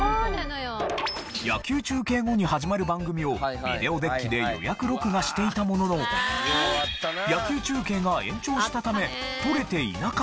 野球中継後に始まる番組をビデオデッキで予約録画していたものの野球中継が延長したため録れていなかった。